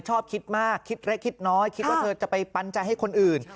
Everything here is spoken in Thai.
ชอบคิดมากคิดเล็กคิดน้อยคิดว่าเธอจะไปปันใจให้คนอื่น